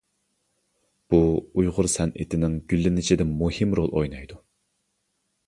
بۇ ئۇيغۇر سەنئىتىنىڭ گۈللىنىشىدە مۇھىم رول ئوينايدۇ.